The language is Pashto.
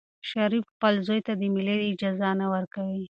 شریف خپل زوی ته د مېلې اجازه نه ورکوي.